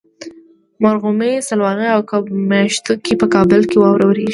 مرغومي ، سلواغې او کب میاشتو کې په کابل کې واوره وریږي.